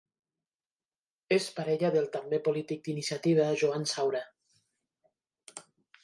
És parella del també polític d'Iniciativa Joan Saura.